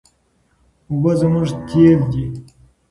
اوبه زموږ تېل دي.